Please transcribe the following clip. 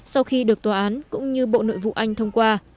sau khi được tòa án cũng như bộ nội vụ anh thông qua